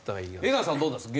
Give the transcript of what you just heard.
江川さんどうなんですか？